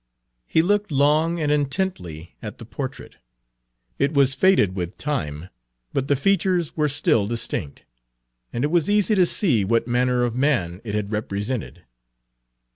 He looked long and intently at the portrait. It was faded with time, but the features were still distinct, and it was easy to see what manner of man it had represented.